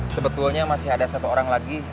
sebetulnya masih ada satu orang lagi